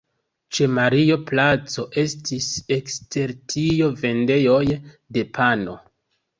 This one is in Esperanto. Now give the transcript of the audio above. Ĉe Mario-placo estis ekster tio vendejoj de pano.